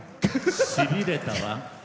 しびれたわ！